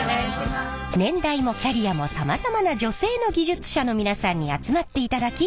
年代もキャリアもさまざまな女性の技術者の皆さんに集まっていただき座談会を開催！